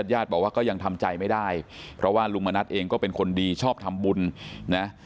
ญาติบอกว่าก็ยังทำใจไม่ได้เพราะว่าลุงมณัฐเองก็เป็นคนดีชอบทำบุญนะ